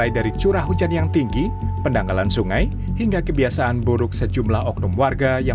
di kawasan kawasan kawasan